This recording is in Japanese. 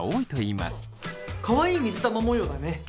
かわいい水玉模様だね。